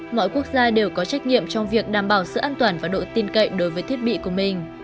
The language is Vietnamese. mọi quốc gia đều có trách nhiệm trong việc đảm bảo sự an toàn và độ tin cậy đối với thiết bị của mình